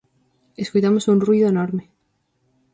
Escoitamos un ruído enorme.